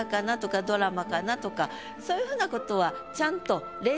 そういうふうなことはちゃんと。